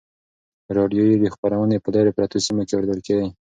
راډیویي خپرونې په لیرې پرتو سیمو کې اورېدل کیږي.